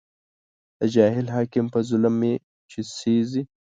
د جاهل حاکم په ظلم مې چې سېزې